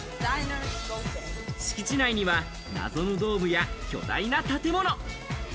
敷地内には謎のドームや巨大な建物。